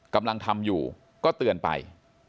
กำลังทำอยู่ก็เตือนไป